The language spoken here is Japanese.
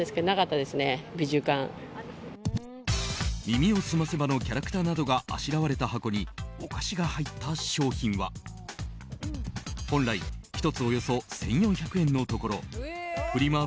「耳をすませば」のキャラクターなどがあしらわれた箱にお菓子が入った商品は本来１つおよそ１４００円のところフリマ